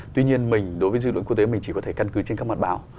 tuy nhiên mình đối với dư luận quốc tế mình chỉ có thể căn cứ trên các mặt báo